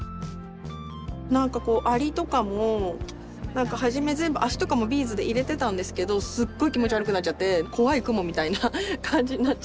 アリとかもはじめ全部足とかもビーズで入れてたんですけどすっごい気持ち悪くなっちゃって怖いクモみたいな感じになっちゃって